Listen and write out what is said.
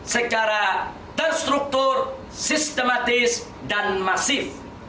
secara terstruktur sistematis dan masif